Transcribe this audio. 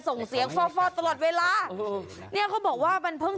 ส่งเสียงฟ่อฟ่อตลอดเวลาโอ้โหเนี่ยเขาบอกว่ามันเพิ่ง